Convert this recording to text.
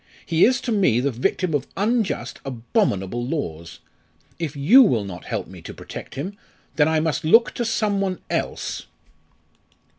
He is to me the victim of unjust, abominable laws! If you will not help me to protect him then I must look to some one else."